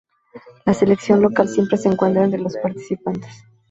La selección local siempre se encuentra entre los participantes.